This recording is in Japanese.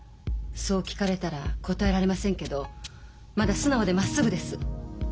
そう聞かれたら答えられませんけどまだ素直でまっすぐです。